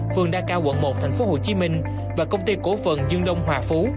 phường đa cao quận một thành phố hồ chí minh và công ty cổ phần dương đông hòa phú